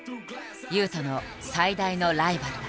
雄斗の最大のライバルだ。